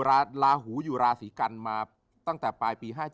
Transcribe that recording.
โหลดแล้วคุณราคาโหลดแล้วยัง